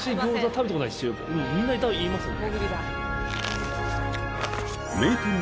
みんな言いますもんね。